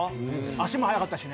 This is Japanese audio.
足も速かったし。